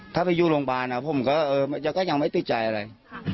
ถ้าไปอยู่โรงพยาบาลอ่ะพวกมันก็เออมันก็ยังไม่ติดใจอะไร